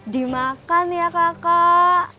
dimakan ya kakak